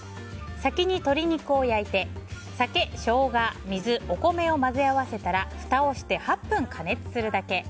先に鶏肉を焼いて、酒、ショウガ水、お米を混ぜ合わせたらふたをして８分加熱するだけ。